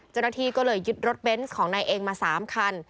เจ้าหน้าที่ก็เลยยึดรถเบนส์ของนายเองมา๓คัน